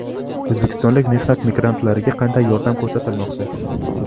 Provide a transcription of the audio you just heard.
O‘zbekistonlik mehnat migrantlariga qanday yordam ko‘rsatilmoqda?